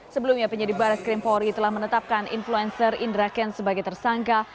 sebelumnya penyidik baras krimpori telah menetapkan influencer indra kent sebagai tersangka